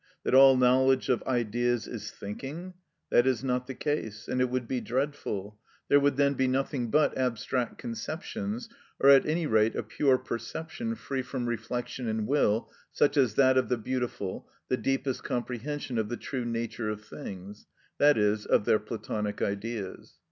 That all knowledge of ideas is thinking? That is not the case: and it would be dreadful; there would then be nothing but abstract conceptions, or at any rate a pure perception free from reflection and will, such as that of the beautiful, the deepest comprehension of the true nature of things, i.e., of their Platonic Ideas.